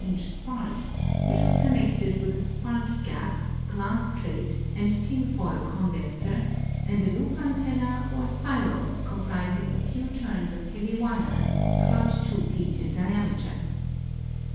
inch spark, which was connected with a spark gap, glass plate and tin foil condenser and a loop antenna or spiral comprising a few turns of heavy wire, about 2 feet in diameter.